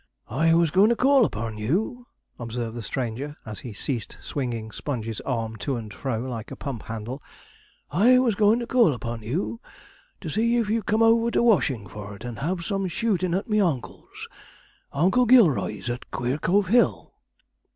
'I was goin' to call upon you,' observed the stranger, as he ceased swinging Sponge's arm to and fro like a pump handle; 'I was goin' to call upon you, to see if you'd come over to Washingforde, and have some shootin' at me Oncle's Oncle Gilroy's, at Queercove Hill.'